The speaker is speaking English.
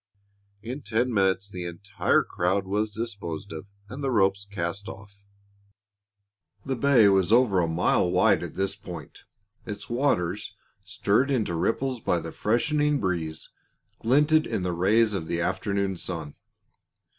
In ten minutes the entire crowd was disposed of and the ropes cast off. The bay was over a mile wide at this point. Its waters, stirred into ripples by the freshening breeze, glinted in the rays of the afternoon sun.